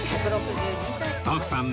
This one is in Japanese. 徳さん